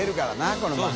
この番組。